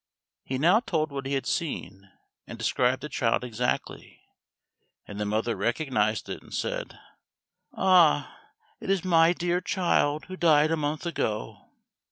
He now told what he had seen and described the child exactly, and the mother recognized it, and said, "Ah, it is my dear child who died a month ago."